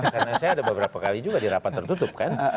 karena saya ada beberapa kali juga di rapat tertutup kan